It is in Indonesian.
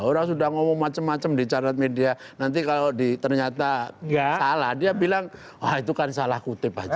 orang sudah ngomong macam macam di charlet media nanti kalau ternyata salah dia bilang wah itu kan salah kutip aja